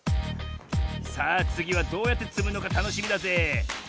さあつぎはどうやってつむのかたのしみだぜ。